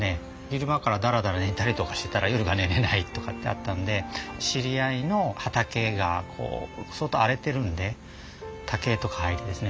昼間からだらだら寝たりとかしてたら夜が寝れないとかってあったんで知り合いの畑がこう相当荒れてるんで竹とか生えてですね。